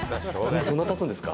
もうそんなたつんですか？